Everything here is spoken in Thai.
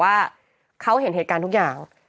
ว่าเขาเห็นเหตุการณ์ทุกอย่าง